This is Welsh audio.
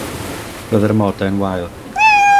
Roedd yr amodau'n wael.